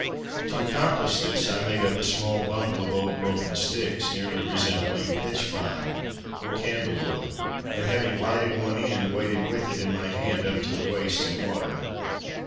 To accomplish this I made up a small bundle of old broken sticks, nearly resembling pitch pine, or candle wood, and having lighted one end, waded with it in my hand, up to the waist in water.